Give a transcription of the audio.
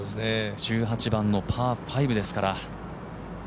１８番のパー５ですから。